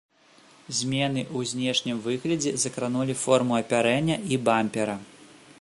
Змены ў знешнім выглядзе закранулі форму апярэння і бампера.